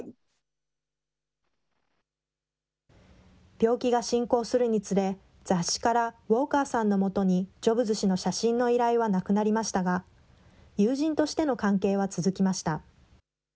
病気が進行するにつれ、雑誌からウォーカーさんのもとにジョブズ氏の写真の依頼はなくなりましたが、友人としての関係は続きました。